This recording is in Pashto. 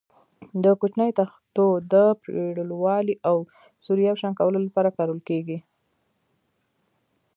د کوچنیو تختو د پرېړوالي او سور یو شان کولو لپاره کارول کېږي.